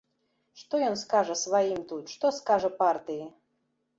Што ён скажа сваім тут, што скажа партыі?